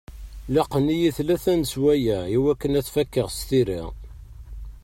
Laqent-iyi tlata n sswayeɛ i wakken ad t-fakeɣ s tira.